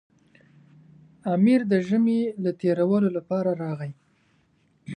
امیر د ژمي له تېرولو لپاره راغی.